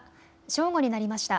正午になりました。